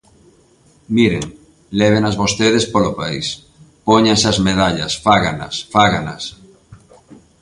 Miren, lévenas vostedes polo país, póñanse as medallas, fáganas, fáganas.